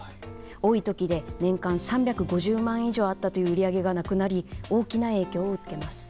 多い時で年間３５０万円以上あったという売り上げがなくなり大きな影響を受けます。